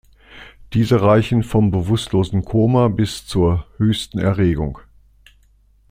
Diese reichen vom bewusstlosen Koma bis zur „höchsten Erregung“.